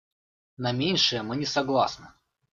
На меньшее мы не согласны.